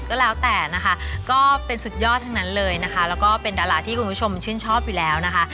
ก็แล้วแต่นะคะก็เป็นสุดยอดทั้งนั้นเลยนะคะแล้วก็เป็นดาราที่คุณผู้ชมชื่นชอบอยู่แล้วนะคะ